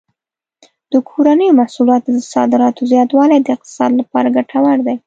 د کورنیو محصولاتو د صادراتو زیاتوالی د اقتصاد لپاره ګټور دی.